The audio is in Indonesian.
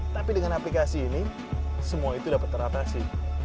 tapi dengan aplikasi ini semua itu dapat teratasi